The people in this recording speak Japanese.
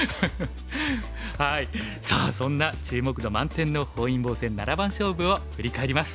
さあそんな注目度満点の本因坊戦七番勝負を振り返ります。